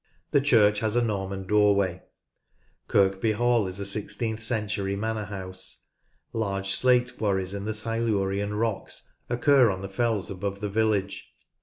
The church has a Norman doorway. CHIEF TOWNS AND VILLAGES 171 Kirkby Hall is a sixteenth century manor house. Large slate quarries in the Silurian rocks occur on the fells above the village.